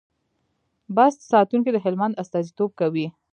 بست ساتونکي د هلمند استازیتوب کوي.